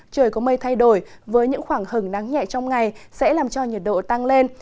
trời có mây thay đổi với những khoảng hứng nắng nhẹ trong ngày sẽ làm cho nhiệt độ tăng lên